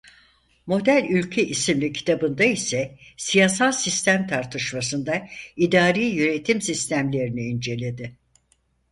Model Ülke isimli kitabında ise siyasal sistem tartışmasında idari yönetim sistemlerini inceledi.